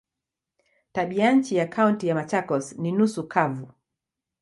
Tabianchi ya Kaunti ya Machakos ni nusu kavu.